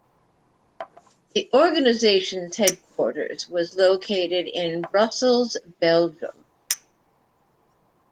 The organisation's headquarters was located in Brussels, Belgium.